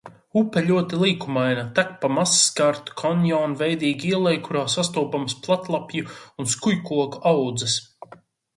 Upe ļoti līkumaina, tek pa mazskartu kanjonveidīgu ieleju, kurā sastopamas platlapju un skujkoku audzes.